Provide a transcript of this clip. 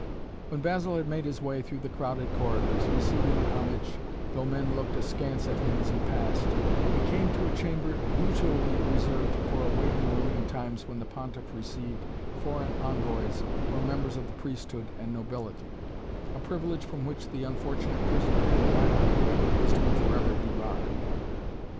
When Basil had made his way through the crowded corridors, receiving homage, though men looked askance at him as he passed, he came to a chamber usually reserved for a waiting room in times when the Pontiff received foreign envoys or members of the priesthood and nobility; a privilege from which the unfortunate prisoner in the Lateran was to be forever debarred.